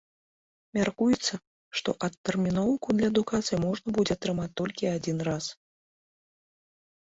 Мяркуецца, што адтэрміноўку для адукацыі можна будзе атрымаць толькі адзін раз.